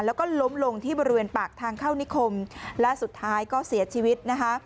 แล้วก็ล้มลงที่บริเวณปากทางเข้านิคมและสุดท้ายก็เสียชีวิตนะคะ